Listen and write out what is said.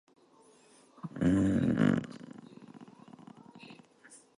This set a bond of mistrust between the two that would never be broken.